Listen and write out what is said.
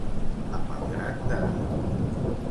A malgrat de.